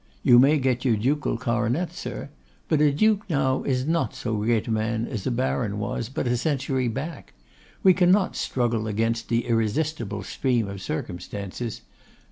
You may get your ducal coronet, sir. But a duke now is not so great a man as a baron was but a century back. We cannot struggle against the irresistible stream of circumstances.